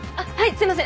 すいません。